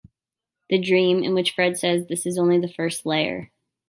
The dream - in which Fred says This is only the first layer.